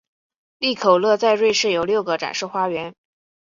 利口乐在瑞士有六个展示花园。